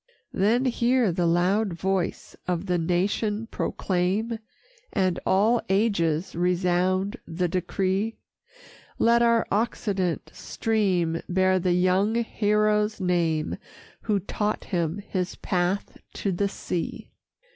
Then hear the loud voice of the nation proclaim, And all ages resound the decree: Let our occident stream bear the young hero's name, Who taught him his path to the sea.